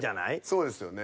そうですよね。